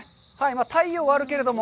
太陽はあるけれども。